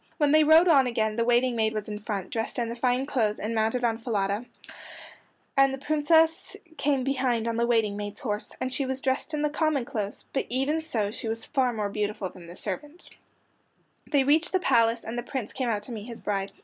When they rode on again the waiting maid was in front, dressed in the fine clothes and mounted on Falada, and the Princess came behind on the waiting maid's horse, and she was dressed in the common clothes, but even so she was far more beautiful than the servant. They reached the palace, and the Prince came out to meet his bride.